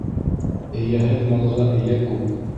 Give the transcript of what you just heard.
Эйәһеҙ малға эйә күп.